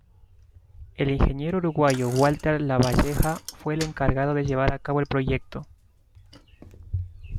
El ingeniero uruguayo Walter Lavalleja fue el encargado de llevar a cabo el proyecto.